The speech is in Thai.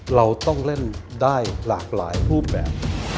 เราต้องเล่นได้หลากหลายรูปแบบ